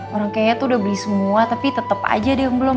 orang kayaknya tuh udah beli semua tapi tetep aja deh yang belum